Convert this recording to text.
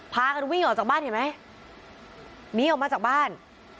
พากันวิ่งออกจากบ้านเห็นไหมหนีออกมาจากบ้าน